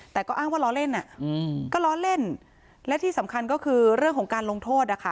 แต่ก็อ้างว่าล้อเล่นอ่ะอืมก็ล้อเล่นและที่สำคัญก็คือเรื่องของการลงโทษนะคะ